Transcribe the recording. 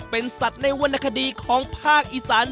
เป็นสัตว์ในวรรณคดีของภาคอีสาน